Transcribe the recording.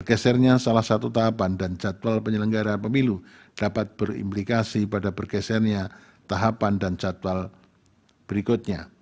gesernya salah satu tahapan dan jadwal penyelenggara pemilu dapat berimplikasi pada bergesernya tahapan dan jadwal berikutnya